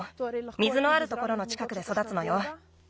水のあるところのちかくでそだつのよ。